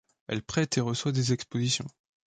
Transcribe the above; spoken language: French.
Elle prête et reçoit des expositions.